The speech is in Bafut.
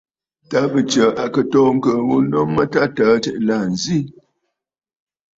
Ta bɨ Tsə̀ à kɨ toò ŋ̀kɨ̀ɨ̀ ghu nu mə tâ təə tsiʼì la nzì.